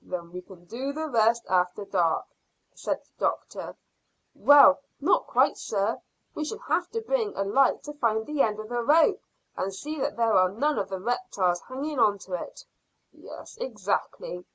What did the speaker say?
"Then we can do the rest after dark," said the doctor. "Well, not quite, sir. We shall have to bring a light to find the end of the rope and see that there are none of the reptiles hanging on to it." "Yes, exactly."